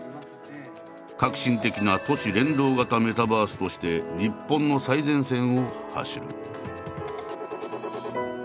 革新的な「都市連動型メタバース」として日本の最前線を走る。